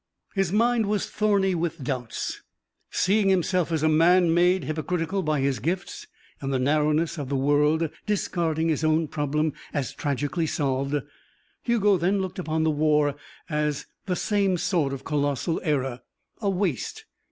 His mind was thorny with doubts. Seeing himself as a man made hypocritical by his gifts and the narrowness of the world, discarding his own problem as tragically solved, Hugo then looked upon the war as the same sort of colossal error. A waste.